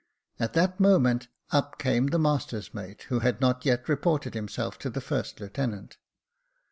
At that moment up came the master's mate, who had not yet reported himself to the first lieutenant.